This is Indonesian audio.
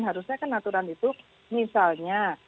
harusnya kan aturan itu misalnya